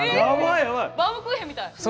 バウムクーヘンみたい。